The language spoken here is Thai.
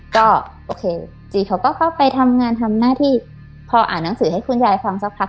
ก็โอเคจีเขาก็เข้าไปทำงานทำหน้าที่พออ่านหนังสือให้คุณยายฟังสักพัก